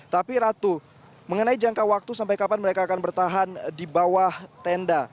tapi ratu mengenai jangka waktu sampai kapan mereka akan bertahan di bawah tenda